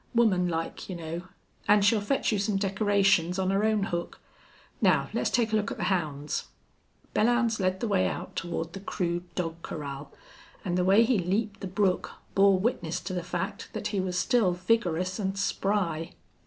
Woman like, you know. An' she'll fetch you some decorations on her own hook. Now let's take a look at the hounds." Belllounds led the way out toward the crude dog corral, and the way he leaped the brook bore witness to the fact that he was still vigorous and spry.